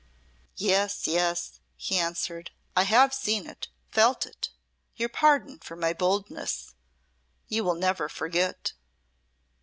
"Yes, yes," he answered. "I have seen it felt it! Your pardon for my boldness. You will never forget!"